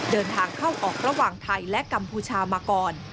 เดินทางเข้าออกระหว่างไทยและกัมพูชามาก่อน